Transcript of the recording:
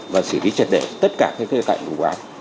và xử lý triệt để tất cả các khía cạnh của vụ án